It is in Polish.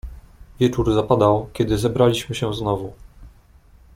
"Wieczór zapadał, kiedy zebraliśmy się znowu."